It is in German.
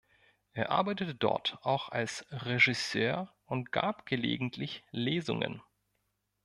Er arbeitete dort auch als Regisseur und gab gelegentlich Lesungen.